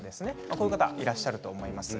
こういう方いらっしゃると思います。